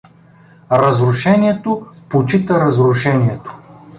Разрушението почита разрушението.